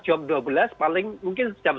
jam dua belas paling mungkin jam sebelas